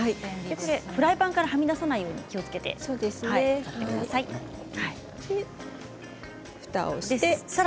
フライパンからはみ出さないように気をつけて使ってください。